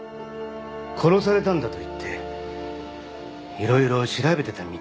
殺されたんだ」と言って色々調べてたみたいなんです。